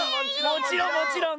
もちろんもちろん。